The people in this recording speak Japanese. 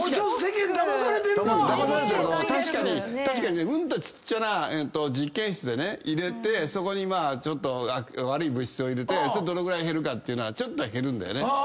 確かにうんとちっちゃな実験室で入れてそこに悪い物質を入れてどのぐらい減るかっていうのはちょっとは減るんだよね。